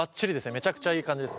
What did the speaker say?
めちゃくちゃいい感じです。